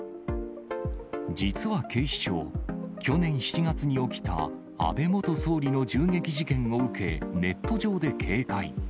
実は警視庁、去年７月に起きた安倍元総理の銃撃事件を受け、ネット上で警戒。